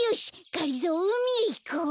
がりぞーうみへいこう。